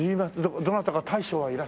どなたか大将は。